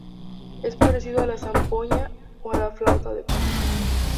Es parecido a la zampoña o a la "flauta de Pan".